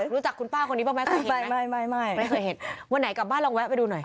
รู้จักคุณป้าคนนี้บ้างไหมคุณป้าไม่ไม่ไม่เคยเห็นวันไหนกลับบ้านลองแวะไปดูหน่อย